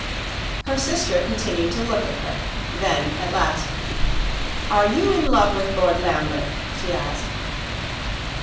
Her sister continued to look at her; then, at last, "Are you in love with Lord Lambeth?" she asked.